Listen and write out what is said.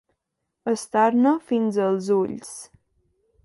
Estar-ne fins als ulls.